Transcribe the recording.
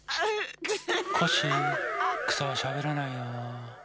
コッシーくさはしゃべらないよ。